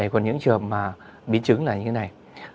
còn những trường hợp biến chứng là như thế này